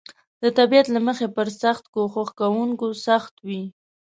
د طبیعت له مخې پر سخت کوښښ کونکو سخت وي.